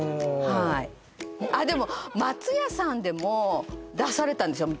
はいあっでも松屋さんでも出されたんですよ